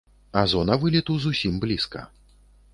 А зона вылету зусім блізка.